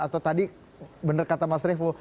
atau tadi benar kata mas revo